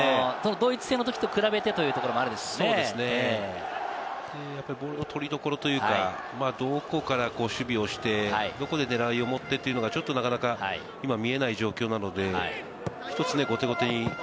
ドイツ戦のときと比べてボールの取りどころというか、どこから守備をして、どこで狙いを持ってというのがなかなか今見えない状況なので、１つ後手後手に。